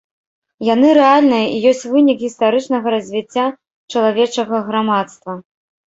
Яны рэальныя і ёсць вынік гістарычнага развіцця чалавечага грамадства.